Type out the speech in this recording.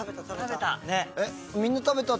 食べた。